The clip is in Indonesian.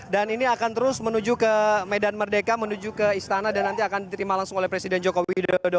dan ini akan terus menuju ke medan merdeka menuju ke istana dan nanti akan diterima langsung oleh presiden jokowi